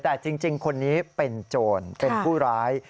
แต่จริงคนนี้เป็นโจรเป็นผู้ร้าย